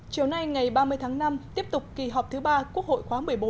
chiều nay ngày ba mươi tháng năm tiếp tục kỳ họp thứ ba quốc hội khóa một mươi bốn